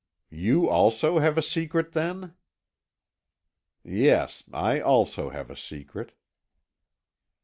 "You also have a secret then?" "Yes, I also have a secret."